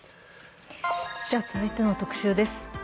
続いての特集です。